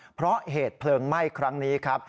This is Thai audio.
เพราะเหตุเพลิงไหม้ครั้งนี้ครับ